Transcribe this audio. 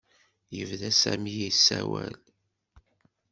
Yebda Sami yessawal.